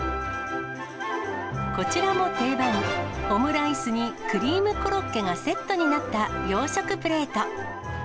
こちらも定番、オムライスにクリームコロッケがセットになった洋食プレート。